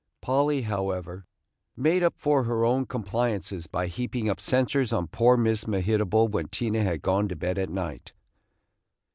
Polly, however, made up for her own compliances by heaping up censures on poor Miss Mehitable when Tina had gone to bed at night.